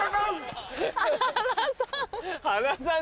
原さん。